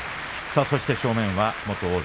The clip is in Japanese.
そして正面は元大関